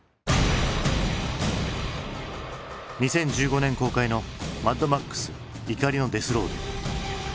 ２０１５年公開の「マッドマックス怒りのデス・ロード」。